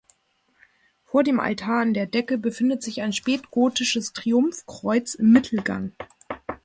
Vor dem Altar an der Decke befindet sich ein spätgotisches Triumphkreuz im Mittelgang.